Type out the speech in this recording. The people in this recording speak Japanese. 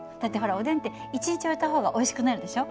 おでんって１日置いた方がおいしくなるでしょ。